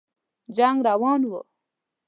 جنګ روان وو.